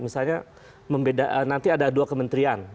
misalnya nanti ada dua kementerian